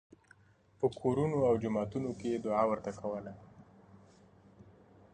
په کورونو او جوماتونو کې یې دعا ورته کوله.